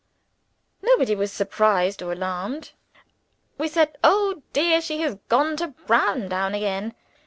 Nobody was surprised or alarmed. We said, "Oh, dear, she has gone to Browndown again!"